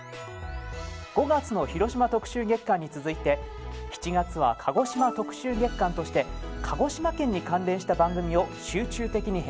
５月の広島特集月間に続いて７月は鹿児島特集月間として鹿児島県に関連した番組を集中的に編成。